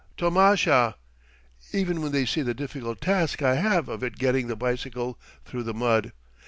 tomasha!" even when they see the difficult task I have of it getting the bicycle through the mud.